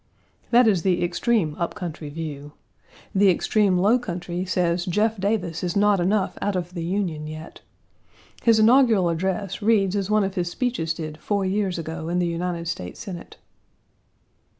That is the extreme up country view. The extreme low country says Jeff Davis is not enough out of the Union yet. His inaugural address reads as one of his speeches did four years ago in the United States Senate.